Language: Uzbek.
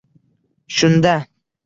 Shunda